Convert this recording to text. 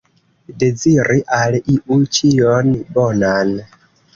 Deziri al iu ĉion bonan.